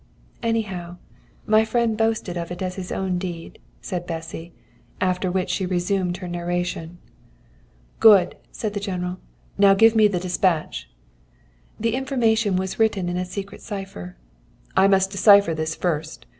"Anyhow, my friend boasted of it as his own deed," said Bessy; after which she resumed her narration. "'Good!' said the General; 'now give me the despatch.' "The information was written in a secret cipher. "'I must decipher this first.